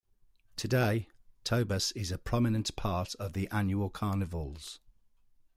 Today, Tobas is a prominent part of the annual carnivals.